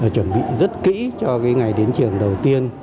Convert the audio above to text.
chuẩn bị rất kỹ cho ngày đến trường đầu tiên